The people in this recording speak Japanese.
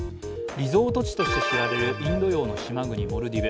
リゾート地として知られるインド洋の島国・モルディブ。